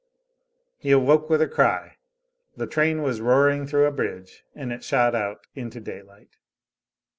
He awoke with a cry the train was roaring through a bridge, and it shot out into daylight.